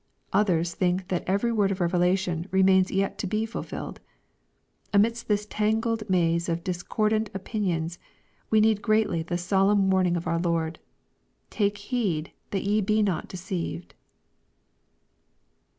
Others think that every word of Revelation remains yet to be fulfilled. — Amidst this tangled maze of discordant opin ions, we need greatly the solemn warning of our Lord, " Take heed that ye be not deceived."